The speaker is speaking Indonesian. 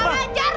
ga bisa dibiarin